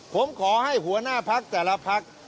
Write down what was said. ผมขอให้หัวหน้าพักแต่ละพัก